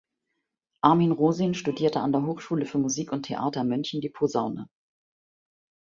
Armin Rosin studierte an der Hochschule für Musik und Theater München die Posaune.